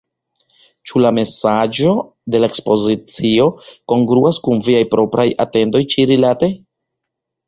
Ĉu la mesaĝo de la ekspozicio kongruas kun viaj propraj atendoj ĉi-rilate?